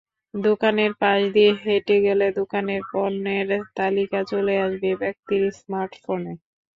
দোকানের পাশ দিয়ে হেঁটে গেলে দোকানের পণ্যের তালিকা চলে আসবে ব্যক্তির স্মার্টফোনে।